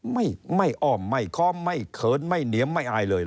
ไม่ไม่อ้อมไม่ค้อมไม่เขินไม่เหนียมไม่อายเลย